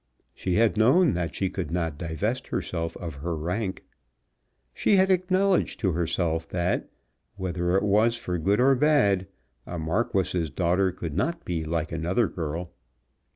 She had known that she could not divest herself of her rank. She had acknowledged to herself that, whether it was for good or bad, a Marquis's daughter could not be like another girl.